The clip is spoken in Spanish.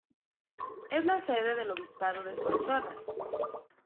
Es la sede del obispado de Solsona.